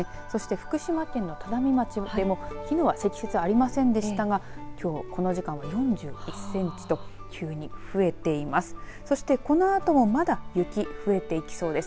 福島県の只見町でもきのうは積雪ありませんでしたがきょう、この時間は４１センチと急に増えています。